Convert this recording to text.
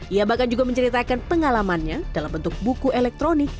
ia bahkan juga menceritakan pengalamannya dalam bentuk buku elektronik